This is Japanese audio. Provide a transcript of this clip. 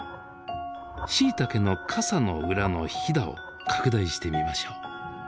シイタケの傘の裏のひだを拡大してみましょう。